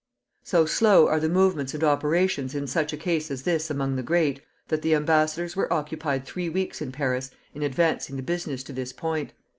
So slow are the movements and operations in such a case as this among the great, that the embassadors were occupied three weeks in Paris in advancing the business to this point.